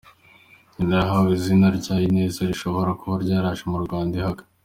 Nyina yahawe izina rya Ineza ishobora kuba yaraje mu Rwanda ihaka.